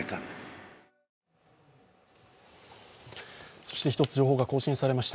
そして１つ情報が更新しました。